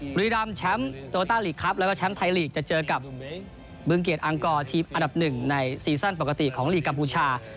บุรีรำแชมป์โตต้าลีกครับแล้วก็แชมป์ไทยลีกจะเจอกับบึงเกียจอังกอร์ทีมอันดับหนึ่งในซีซั่นปกติของลีกกัมพูชา